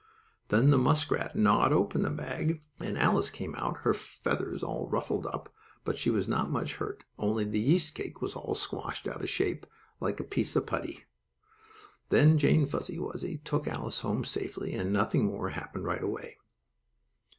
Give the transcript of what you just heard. Then the muskrat gnawed open the bag, and Alice came out, her feathers all ruffled up, but she was not much hurt; only the yeast cake was all squashed out of shape, like a piece of putty. Then Jane Fuzzy Wuzzy took Alice home safely, and nothing more happened right away.